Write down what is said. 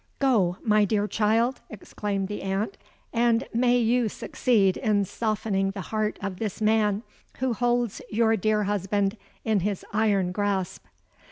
'—'Go, my dear child,' exclaimed the aunt; 'and may you succeed in softening the heart of this man who holds your dear husband in his iron grasp.'